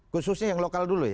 khususnya yang lokal dulu ya